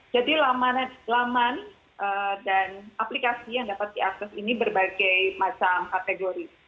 jadi laman dan aplikasi yang dapat diakses ini berbagai macam kategori